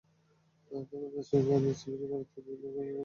তবে আদেশ বিষয়ে আইনজীবীর বরাত দিয়ে বিভিন্ন সংবাদমাধ্যমে প্রতিবেদন ছাপা হয়।